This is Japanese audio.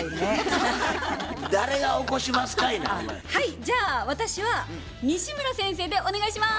じゃあ私は西村先生でお願いします！